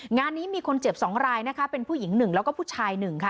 งานนี้มีคนเจ็บ๒รายนะคะเป็นผู้หญิง๑แล้วก็ผู้ชาย๑ค่ะ